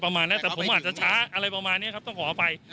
ประมาณนั้นแต่ผมอาจจะช้าอะไรประมาณนี้ครับต้องขอไป